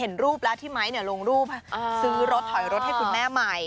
เห็นรูปแล้วที่ไม้ลงรูปซื้อรถถอยรถให้คุณแม่ใหม่